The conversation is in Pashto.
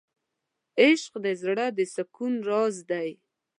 عشق د زړه د سکون راز دی.